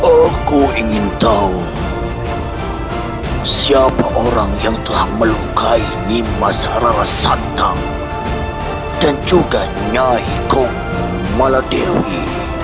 aku ingin tahu siapa orang yang telah melukai nimas ararasantam dan juga nyai komu maladewi